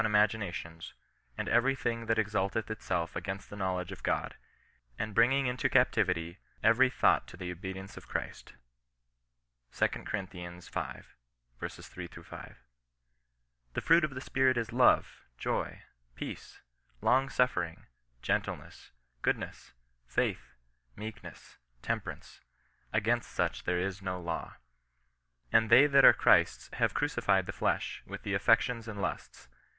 ^\i3b« 40 CIIEISTIAN NOX EESISTiNOB. tions, and every high thing that exalteth itself against the knowledge of God, and bringing into captivity every thought to the obedience of Christ." 2 Cor. x. 3 — 5. " The fruit of the Spirit is love, joy, peace, long suffer ing, gentleness, goodness, faith, meekness, temperance ; against such there is no law. And they that are Christ's have crucified the flesh, with the affections and lusts.